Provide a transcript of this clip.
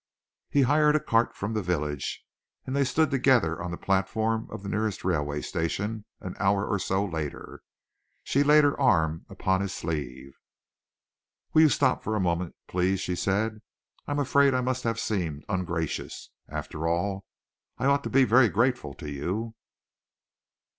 He hired a cart from the village, and they stood together on the platform of the nearest railway station, an hour or so later. She laid her arm upon his sleeve. "Will you stop for a moment, please?" she said. "I am afraid I must have seemed ungracious. After all, I ought to be very grateful to you."